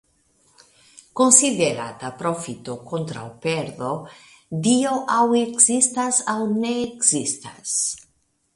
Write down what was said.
Konsiderita profito kontraŭ perdo... Dio aŭ ekzistas aŭ ne ekzistas.